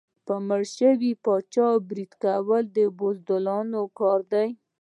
په مړ شوي پاچا برید کول د بزدلانو کار دی.